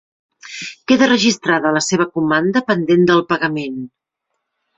Queda registrada la seva comanda, pendent del pagament.